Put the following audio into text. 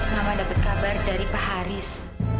mama dapat kabar dari pak haris